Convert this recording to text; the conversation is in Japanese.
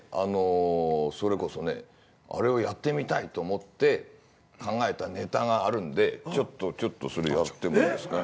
それこそねあれをやってみたいと思って考えたネタがあるんでちょっとそれやってもいいですか？